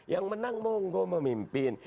yang menang monggo memimpin